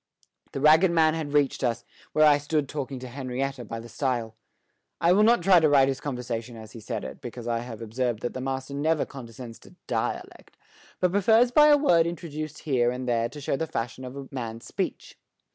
The ragged man had reached us, where I stood talking to Henrietta by the stile. I will not try to write his conversation as he said it, because I have observed that the master never condescends to dialect, but prefers by a word introduced here and there to show the fashion of a man's speech.